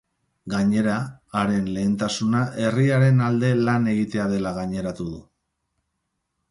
Gainera, haren lehentasuna herriaren alde lan egitea dela gaineratu du.